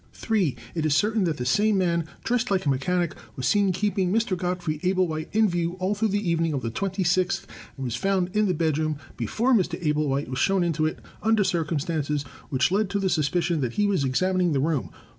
(3) It is certain that this same man, dressed like a mechanic, was seen keeping Mr. Godfrey Ablewhite in view all through the evening of the twenty sixth, and was found in the bed room (before Mr. Ablewhite was shown into it) under circumstances which lead to the suspicion that he was examining the room.